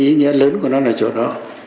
ý nhận lớn của nó là chỗ đó